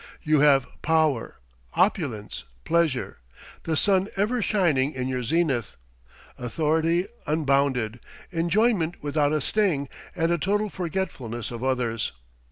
You have power, opulence, pleasure, the sun ever shining in your zenith; authority unbounded, enjoyment without a sting, and a total forgetfulness of others.